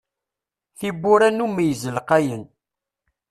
Tiwwura n umeyyez lqayen.